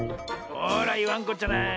ほらいわんこっちゃない。